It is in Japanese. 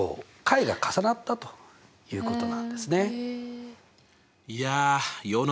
解が重なったということなんですね。